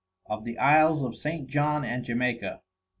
Of the Isles of St. John and Jamaica.